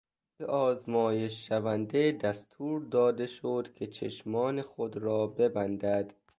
به آزمایش شونده دستور داده شد که چشمان خود را ببندد.